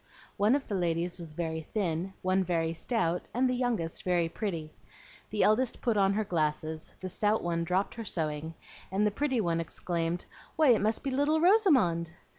One of the ladies was very thin, one very stout, and the youngest very pretty. The eldest put on her glasses, the stout one dropped her sewing, and the pretty one exclaimed, "Why, it must be little Rosamond!"